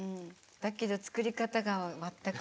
だけど、作り方が全く。